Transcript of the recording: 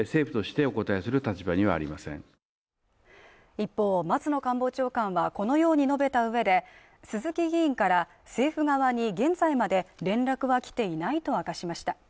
一方松野官房長官はこのように述べた上で、鈴木議員から政府側に現在まで連絡は来ていないと明かしました。